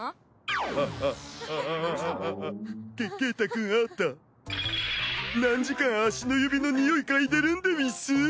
ケケータくんあた何時間足の指のにおい嗅いでるんでうぃす！？